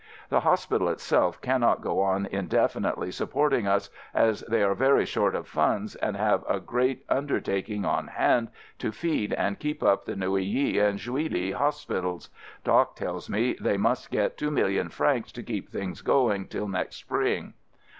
The hospital itself cannot go on indefinitely supporting us, as they are very short of funds, and have a great under taking on hand to feed and keep up the Neuilly and Juilly Hospitals — "Doc" tells me they must get two million francs to keep things going till next spring.